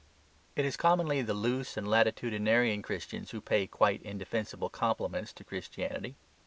It is commonly the loose and latitudinarian Christians who pay quite indefensible compliments to Christianity.